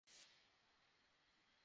করবেন, স্যার।